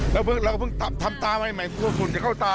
แล้วมันเป็นทำตาม่ายกูเดี๋ยวเข้าตา